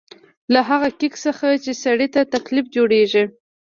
له هغه کېک څخه چې سړي ته تکلیف جوړېږي.